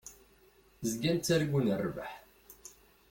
Zgan ttargun rrbeḥ.